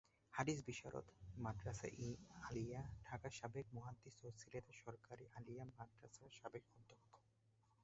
হাদীস বিশারদ, মাদরাসা-ই-আলিয়া ঢাকার সাবেক মুহাদ্দিস ও সিলেট সরকারী আলিয়া মাদরাসার সাবেক অধ্যক্ষ।